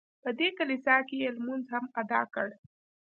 په دې کلیسا کې یې لمونځ هم ادا کړ.